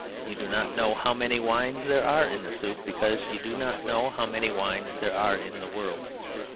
You do not know how many wines there are in the soup, because you do not know how many wines there are in the world.